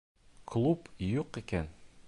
Клуб юҡ икән.